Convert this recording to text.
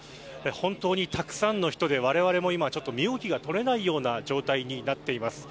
本当にたくさんの人でわれわれも今、身動きが取れないような状態になっています。